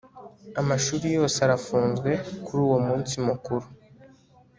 Amashuri yose arafunzwe kuri uwo munsi mukuru